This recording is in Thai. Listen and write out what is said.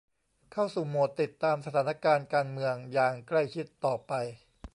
เข้าสู่โหมดติดตามสถานการณ์การเมืองอย่างใกล้ชิดต่อไป